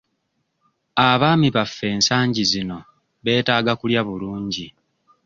Abaami baffe ensangi zino beetaaga kulya bulungi.